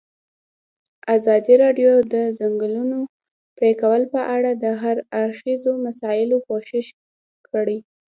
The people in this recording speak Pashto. ازادي راډیو د د ځنګلونو پرېکول په اړه د هر اړخیزو مسایلو پوښښ کړی.